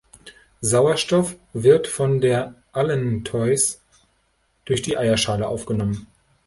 Sauerstoff wird von der Allantois durch die Eierschale aufgenommen.